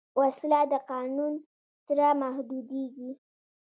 وسله د قانون سره محدودېږي